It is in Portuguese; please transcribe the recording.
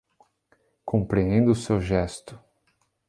Compreendo o seu gesto